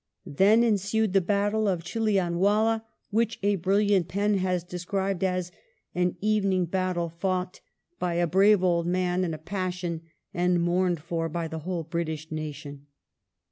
Then ensued the battle of Chilianwdla which a brilliant pen has described as "an evening battle fought by a brave old man in a passion and mourned for by the whole British nation".